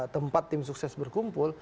tempat tim sukses berkumpul